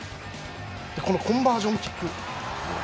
このコンバージョンキック。